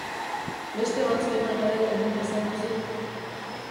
Beste batzuetan ere egin izan duzu?